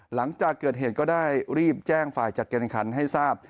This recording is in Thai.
หลังจากเกิดเหตุก็ได้รีบแจ้งฝ่ายจัดการขันให้ทราบ